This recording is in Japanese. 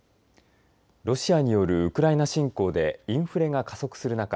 ロシアによるウクライナ侵攻でインフレが加速する中